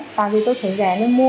tại vì tôi thấy rẻ nên mua